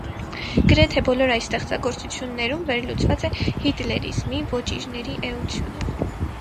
Գրեթե բոլոր այս ստեղծագործություններում վերլուծված է հիտլերիզմի ոճիրների էությունը։